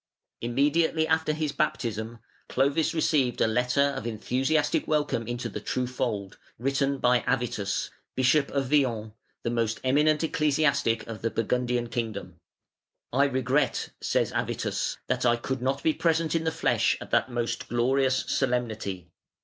Immediately after his baptism Clovis received a letter of enthusiastic welcome Into the true fold, written by Avitus, Bishop of Vienne, the most eminent ecclesiastic of the Burgundian kingdom. "I regret", says Avitus, "that I could not be present in the flesh at that most glorious solemnity.